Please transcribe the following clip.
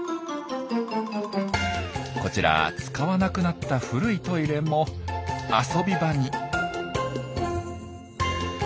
こちら使わなくなった古いトイレも遊び場に。